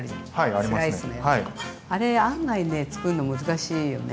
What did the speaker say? あれ案外ね作るの難しいよね。